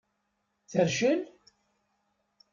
Tercel?